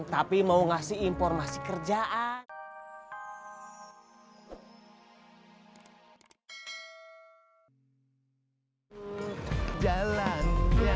tapi mau ngasih informasi kerjaan